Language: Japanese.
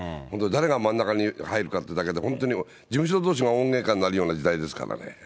本当、誰が真ん中に入るかってだけで、本当に、事務所どうしが大げんかになるような時代ですからね。